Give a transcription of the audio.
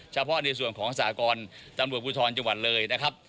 เฉพาะในส่วนของสากรตำรวจภูทรจังหวัดเลยนะครับ